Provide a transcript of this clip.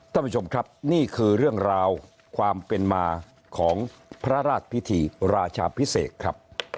ท่านผู้ชมครับนี่คือเรื่องราวความเป็นมาของพระราชพิธีราชาพิเศษครับ